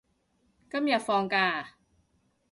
今日放假啊？